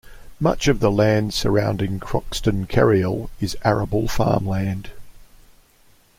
Much of the land surrounding Croxton Kerrial is arable farmland.